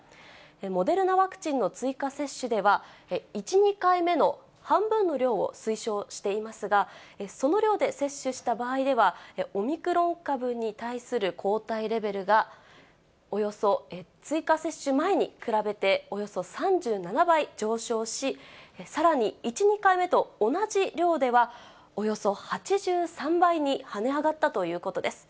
モデルナワクチンの追加接種では、１、２回目の半分の量を推奨していますが、その量で接種した場合では、オミクロン株に対する抗体レベルが、およそ、追加接種前に比べておよそ３７倍上昇し、さらに１、２回目と同じ量では、およそ８３倍に跳ね上がったということです。